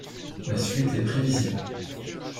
La suite est prévisible.